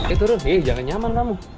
eh turun eh jangan nyaman kamu